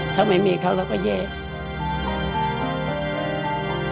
ถ้าไม่มีเขาแล้วก็ยังไง